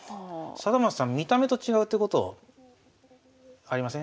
貞升さん見た目と違うってことありません？